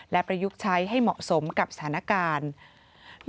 และประยุกต์ใช้ให้เหมาะสมกับสถานการณ์